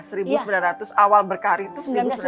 seribu sembilan ratus awal berkari itu